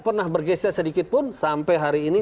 pernah bergeser sedikitpun sampai hari ini